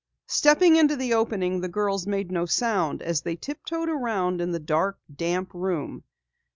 Stepping through the opening, the girls made no sound as they tiptoed around in the dark, damp room.